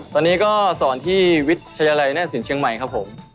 ตอนนี้ก็สอนที่วิทยาลัยหน้าสินเชียงใหม่ครับผม